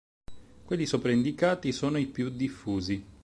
Quelli sopra indicati sono i più diffusi.